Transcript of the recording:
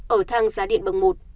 ở thang giá điện bậc một